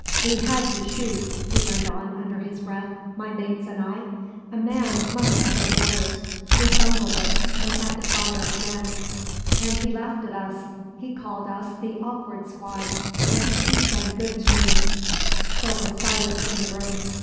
"We had to shoot," he went on under his breath; "my mates and I. A man must obey orders. We bungled it, and had to fire again and he laughed at us he called us the awkward squad and he'd been good to me " There was silence in the room.